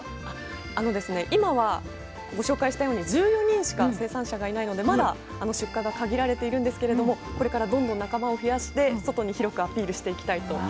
今はご紹介したように１４人しか生産者がいないのでまだ出荷が限られているんですけれどもこれからどんどん仲間を増やして外に広くアピールしていきたいと皆さんおっしゃってました。